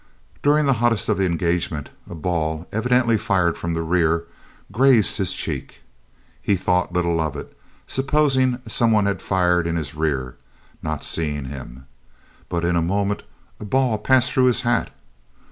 During the hottest of the engagement a ball, evidently fired from the rear, grazed his cheek. He thought little of it, supposing some one had fired in his rear, not seeing him. But in a moment a ball passed through his hat.